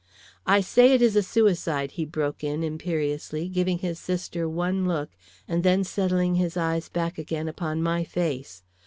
"I say it is a suicide," he broke in, imperiously, giving his sister one look, and then settling his eyes back again upon my face.